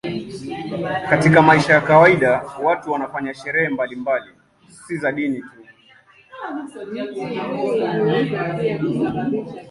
Katika maisha ya kawaida watu wanafanya sherehe mbalimbali, si za dini tu.